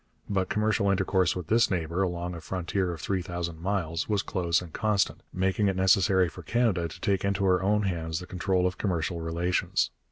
But commercial intercourse with this neighbour, along a frontier of three thousand miles, was close and constant, making it necessary for Canada to take into her own hands the control of commercial relations.